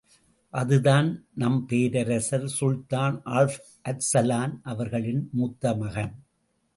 அதுதான் நம் பேரரசர் சுல்தான் ஆல்ப் அர்சலான் அவர்களின் முத்தமகன்.